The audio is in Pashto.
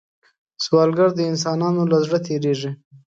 سوالګر د انسانانو له زړه تېرېږي